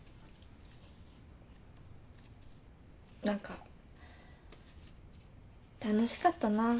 何か楽しかったな。